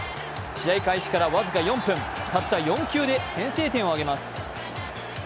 試合開始から僅か４分たった４球で先制点を挙げます。